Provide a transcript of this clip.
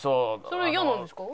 それ嫌なんですか？